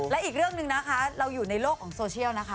และอีกเรื่องหนึ่งนะคะเราอยู่ในโลกของโซเชียลนะคะ